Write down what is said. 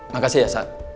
makasih ya sa